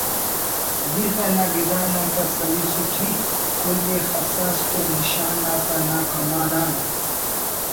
دِیخَہ ناگدان آن پَد سَلِیسُٹ ای کُل ءِ خَسَّاس تو نِشان آتا نا کَمانَ آن